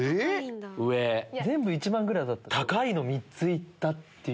全部１万ぐらい高いの３ついったっていうのが。